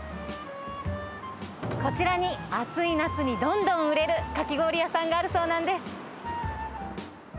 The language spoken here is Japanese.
こちらに、暑い夏にどんどん売れるかき氷屋さんがあるそうなんです。